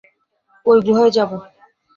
ঐ গুহায় যাবো।